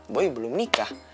boy belum nikah